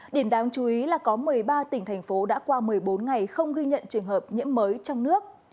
điểm đáng chú ý là có một mươi ba tỉnh thành phố đã qua một mươi bốn ngày không ghi nhận trường hợp nhiễm mới trong nước